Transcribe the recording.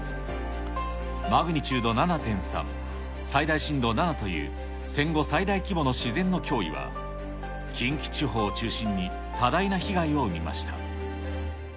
マグニチュード７．３、最大震度７という、戦後最大規模の自然の脅威は、近畿地方を中心に、多大な被害を生みました。